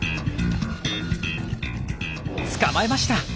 捕まえました！